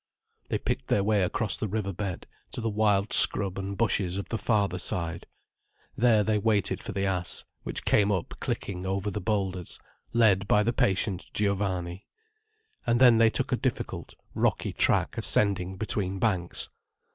They picked their way across the river bed, to the wild scrub and bushes of the farther side. There they waited for the ass, which came up clicking over the boulders, led by the patient Giovanni. And then they took a difficult, rocky track ascending between banks.